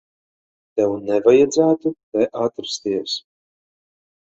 Tev nevajadzētu te atrasties.